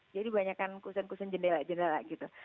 jadi banyak kan kusen kusen jendela jendela gitu